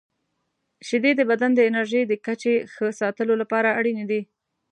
• شیدې د بدن د انرژۍ د کچې ښه ساتلو لپاره اړینې دي.